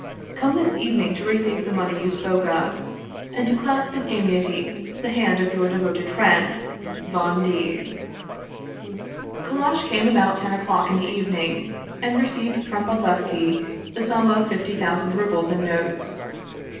Come this evening to receive the money you spoke of, and to clasp in amity the hand of your de voted friend, VON D." Kallash came about ten o'clock in the evening, and received from Bodlevski the sum of fifty thousand rubles in notes.